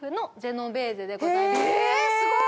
えすごい！